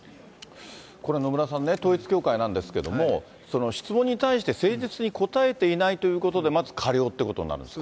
これ、野村さんね、統一教会なんですけれども、質問に対して誠実に答えていないということで、まず過料ってことになるんですか。